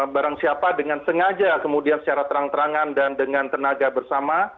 barang siapa dengan sengaja kemudian secara terang terangan dan dengan tenaga bersama